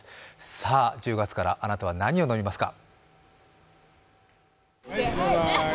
さあ１０月からあなたは何を飲みますか？